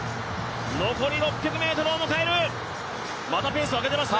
残り６００ｍを迎えるまだペース上げてますね。